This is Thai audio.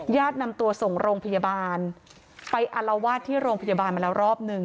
นำตัวส่งโรงพยาบาลไปอารวาสที่โรงพยาบาลมาแล้วรอบหนึ่ง